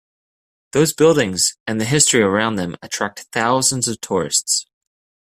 Those buildings and the history around them attract thousands of tourists.